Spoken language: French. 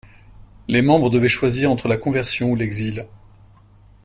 Les membres devaient choisir entre la conversion ou l'exil.